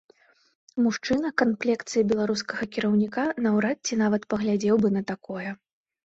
Мужчына камплекцыі беларускага кіраўніка наўрад ці нават паглядзеў бы на такое.